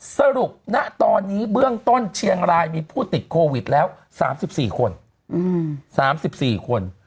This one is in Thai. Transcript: สรุปณตอนนี้เบื้องต้นเชียงรายมีผู้ติดโควิดแล้ว๓๔คน๓๔คน